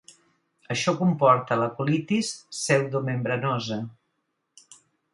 Això comporta la colitis pseudomembranosa.